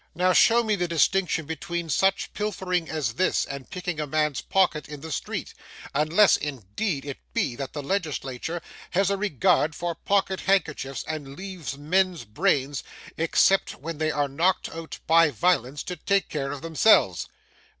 Now, show me the distinction between such pilfering as this, and picking a man's pocket in the street: unless, indeed, it be, that the legislature has a regard for pocket handkerchiefs, and leaves men's brains, except when they are knocked out by violence, to take care of themselves.